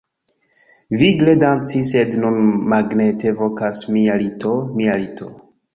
Vigle danci sed nun magnete vokas mia lito mia lito